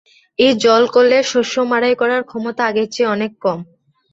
এই জলকলের শস্য মাড়াই করার ক্ষমতা আগের চেয়ে অনেক কম।